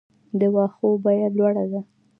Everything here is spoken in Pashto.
د واښو بیه لوړه ده؟